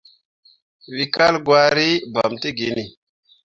We kal gwari, bam tə genni.